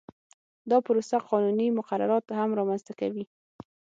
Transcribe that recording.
دا پروسه قانوني مقررات هم رامنځته کوي